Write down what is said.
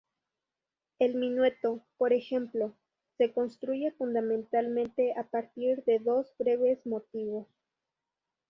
El minueto, por ejemplo, se construye fundamentalmente a partir de dos breves motivos.